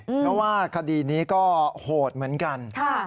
เพราะว่าคดีนี้ก็โหดเหมือนกัน